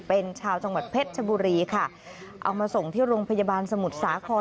เป็นชาวจังหวัดเพชรชบุรีค่ะเอามาส่งที่โรงพยาบาลสมุทรสาคร